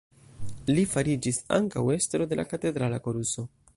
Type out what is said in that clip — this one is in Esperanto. Li fariĝis ankaŭ estro de la katedrala koruso.